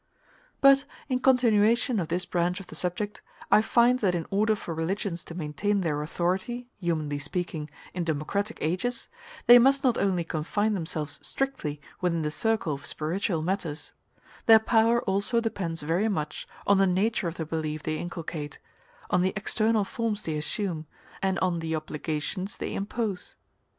But in continuation of this branch of the subject, I find that in order for religions to maintain their authority, humanly speaking, in democratic ages, they must not only confine themselves strictly within the circle of spiritual matters: their power also depends very much on the nature of the belief they inculcate, on the external forms they assume, and on the obligations they impose.